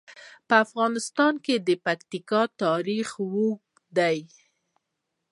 په افغانستان کې د پکتیکا تاریخ اوږد دی.